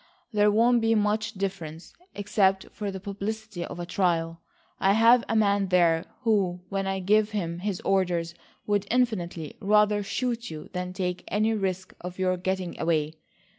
There won't be much difference, except for the publicity of a trial. I've a man there who, when I give him his orders, would infinitely rather shoot you than take any risk of your getting away.